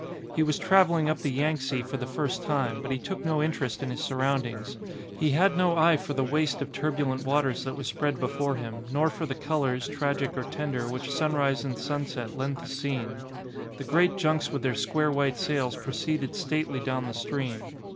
He was travelling up the Yangtze for the first time, but he took no interest in his surroundings. He had no eye for the waste of turbulent waters that was spread before him, nor for the colours, tragic or tender, which sunrise and sunset lent the scene. The great junks with their square white sails proceeded stately down the stream.